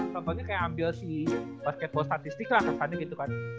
contohnya kayak ambil si basketball statistik lah kesannya gitu kan